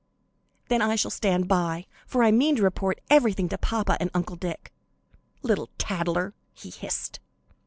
"Then I shall stand by, for I mean to report everything to papa and Uncle Dick." "Little tattler!" he hissed.